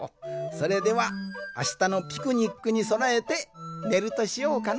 それではあしたのピクニックにそなえてねるとしようかの。